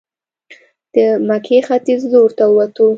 د مکې ختیځ لورته ووتو.